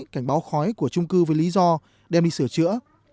cảnh báo khói của trung cư với lý do đem đi sửa chữa